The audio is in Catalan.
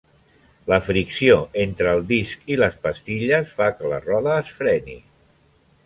La fricció entre el disc i les pastilles fa que la roda es freni.